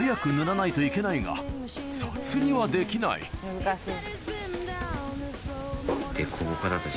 難しい。